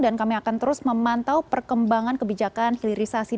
dan kami akan terus memantau perkembangan kebijakan hilirisasi